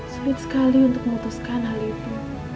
sulit sekali untuk memutuskan hal itu